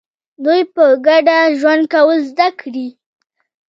دوی په ګډه ژوند کول زده کړي.